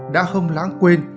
đã không lãng quên